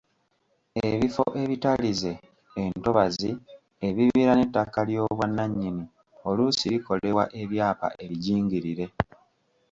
Ebifo ebitalize, entobazi, ebibira n'ettaka ly'obwannannyini oluusi likolerwa ebyapa ebijingirire.